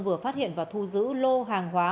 vừa phát hiện và thu giữ lô hàng hóa